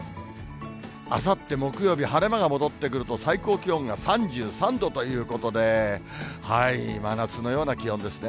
あさって木曜日、晴れ間が戻ってくると、最高気温が３３度ということで、真夏のような気温ですね。